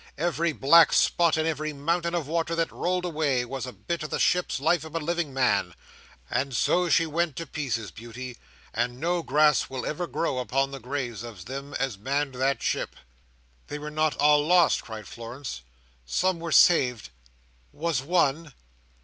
Every black spot in every mountain of water that rolled away was a bit o' the ship's life or a living man, and so she went to pieces, Beauty, and no grass will never grow upon the graves of them as manned that ship." "They were not all lost!" cried Florence. "Some were saved!—Was one?"